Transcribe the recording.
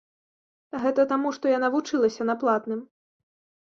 Гэта таму, што яна вучылася на платным.